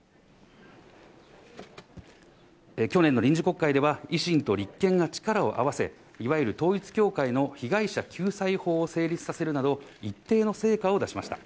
去年の臨時国会では、維新と立憲が力を合わせ、いわゆる統一教会の被害者救済法を成立させるなど、一定の成果を出しました。